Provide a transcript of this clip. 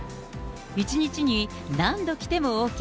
一日に何度来てもＯＫ。